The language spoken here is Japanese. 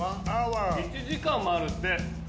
１時間もあるって。